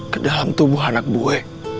kedalam tubuh anak bui